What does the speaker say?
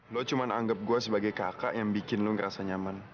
lo cuma anggap gue sebagai kakak yang bikin lo ngerasa nyaman